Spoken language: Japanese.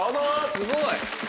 すごい。